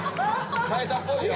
耐えたっぽいよ。